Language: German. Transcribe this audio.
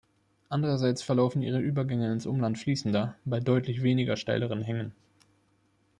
Andererseits verlaufen ihre Übergänge ins Umland fließender bei deutlich weniger steileren Hängen.